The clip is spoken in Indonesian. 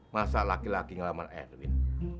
masa laki laki ngelamar erwin